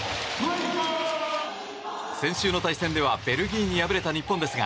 先週の対戦ではベルギーに敗れた日本ですが